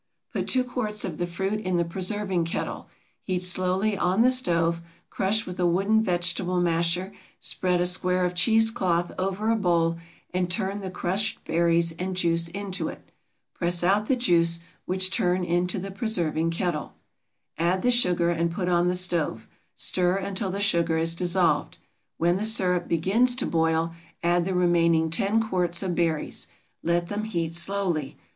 Put 2 quarts of the fruit in the preserving kettle; heat slowly on the stove; crush with a wooden vegetable masher; spread a square of cheese cloth over a bowl, and turn the crushed berries and juice into it. Press out the juice, which turn into the preserving kettle. Add the sugar and put on the stove; stir until the sugar is dissolved. When the sirup begins to boil, add the remaining 10 quarts of berries. Let them heat slowly.